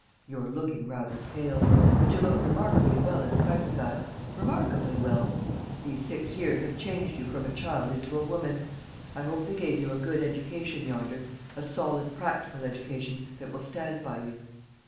"You're looking rather pale; but you look remarkably well in spite of that remarkably well. These six years have changed you from a child into a woman. I hope they gave you a good education yonder; a solid practical education, that will stand by you."